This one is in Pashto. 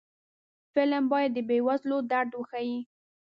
فلم باید د بې وزلو درد وښيي